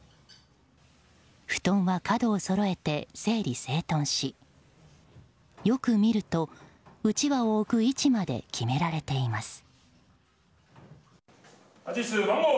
布団は角をそろえて整理整頓しよく見るとうちわを置く位置まで決められています。